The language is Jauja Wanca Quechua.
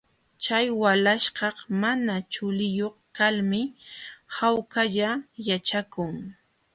Chay walaśhkaq mana chuliyuq kalmi hawkalla yaćhakun.